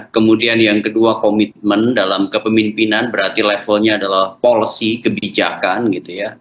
kemudian yang kedua komitmen dalam kepemimpinan berarti levelnya adalah policy kebijakan gitu ya